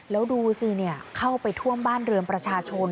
แล้วดูสิเข้าไปท่วมบ้านเรือนประชาชน